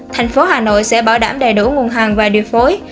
thành phố hà nội sẽ bảo đảm đầy đủ nguồn hàng và điều phối